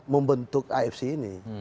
membentuk afc ini